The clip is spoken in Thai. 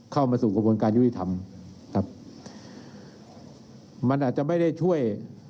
เข้ามาสู่กระบวนการยุติธรรมครับมันอาจจะไม่ได้ช่วย